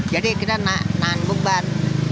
jadi kita nahan bubat